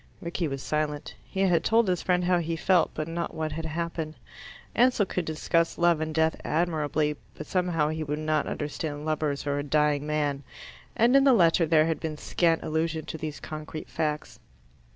Rickie was silent. He had told his friend how he felt, but not what had happened. Ansell could discuss love and death admirably, but somehow he would not understand lovers or a dying man, and in the letter there had been scant allusion to these concrete facts.